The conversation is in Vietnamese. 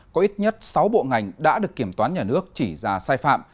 có ít nhất sáu bộ ngành đã được kiểm toán nhà nước chỉ ra sai phạm